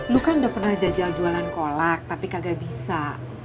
lu kan udah pernah jajal jualan kolak tapi kagak bisa